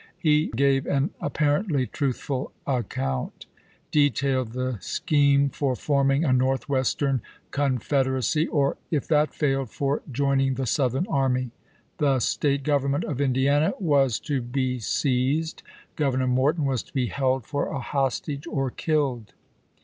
He gave an pp. i25,"i27. apparently truthful account : detailed the scheme for forming a Northwestern Confederacy, or, if that failed, for joining the Southern army; the State government of Indiana was to be seized; Governor Morton was to be held for a hostage or killed.